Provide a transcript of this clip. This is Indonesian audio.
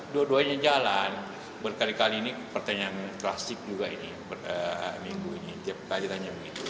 dua duanya jalan berkali kali ini pertanyaan klasik juga ini minggu ini tiap kali tanya begitu